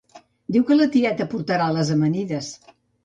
Diu que la tieta portarà les amanides